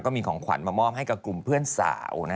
มีของขวัญมามอบให้กับกลุ่มเพื่อนสาว